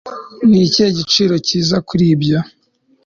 Ni ikihe giciro cyiza kuri ibyo